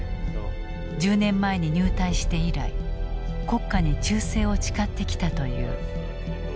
１０年前に入隊して以来国家に忠誠を誓ってきたという。